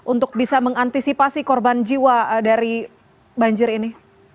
untuk bisa mengantisipasi korban jiwa dari banjir ini